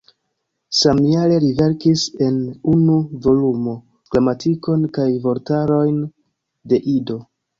Samjare li verkis en unu volumo gramatikon kaj vortarojn de Ido.